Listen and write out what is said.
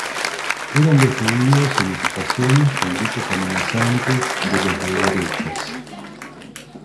Eran despedidos en las estaciones con gritos amenazantes de los de derechas.